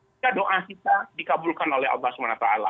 jika doa kita dikabulkan oleh allah swt